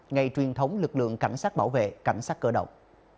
ngày truyền thống lực lượng cảnh sát bảo vệ cảnh sát cơ động